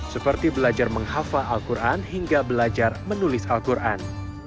seperti belajar menghafal al quran hingga belajar menulis al quran